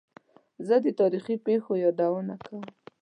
زه د تاریخي پېښو یادونه کوم.